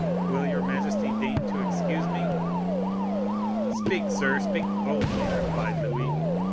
Will your majesty deign to excuse me?" "Speak, sir, speak boldly," replied Louis.